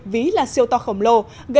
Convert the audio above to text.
vì là siêu to khổng lồ